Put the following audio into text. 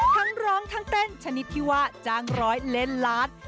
ทั้งร้องทั้งเต้นชนิดที่ว่าจ้างร้อยเล่นล้าน